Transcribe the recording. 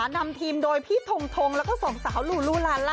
นำทีมโดยพี่ทงทงแล้วก็สองสาวลูลูลาล่า